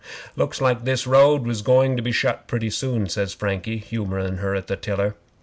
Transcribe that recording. '"Looks like this road was going to be shut pretty soon," says Frankie, humourin' her at the tiller.